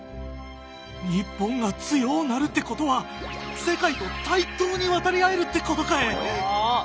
日本が強おなるってことは世界と対等に渡り合えるってことかえ！